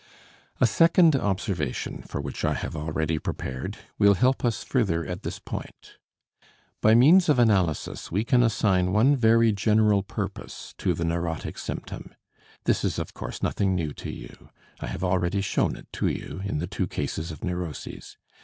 A second observation, for which I have already prepared, will help us further at this point. By means of analysis we can assign one very general purpose to the neurotic symptom. This is of course nothing new to you. I have already shown it to you in the two cases of neuroses.